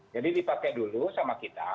jadi dipakai dulu sama kita